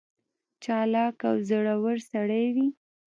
چالاک او زړه ور سړی وي.